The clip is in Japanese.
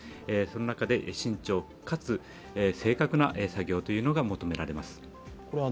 その中で慎重かつ正確な作業が求められます。